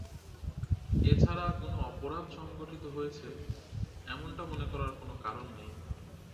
এছাড়া, কোনো অপরাধ সংঘটিত হয়েছে, এমনটা মনে করার কোনো কারণ নেই।